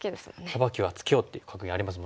「サバキはツケよ」っていう格言ありますもんね。